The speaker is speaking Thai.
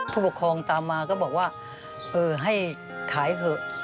ผู้ปกครองตามมาก็บอกว่าเออให้ขายเถอะ